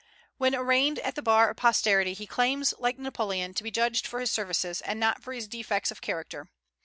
When arraigned at the bar of posterity, he claims, like Napoleon, to be judged for his services, and not for his defects of character.